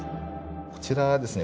こちらはですね